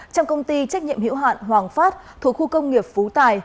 trong công ty trách nhiệm hiệu hạn hoàng phát thuộc khu công nghiệp phú tài